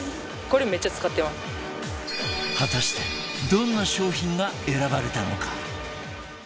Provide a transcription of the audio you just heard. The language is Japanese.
果たしてどんな商品が選ばれたのか？